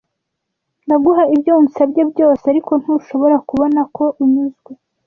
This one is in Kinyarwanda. Ndaguha ibyo usabye byose, ariko ntushobora kubona ko unyuzwe.